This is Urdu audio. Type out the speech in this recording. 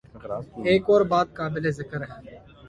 ایک اور بات قابل ذکر ہے۔